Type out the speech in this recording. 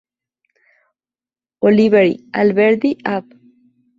Oliveri, Alberdi, Av.